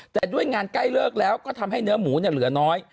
แต่ด้วยงานใกล้เลิกแล้วก็ทำให้เนื้อหมูเหลือน้อย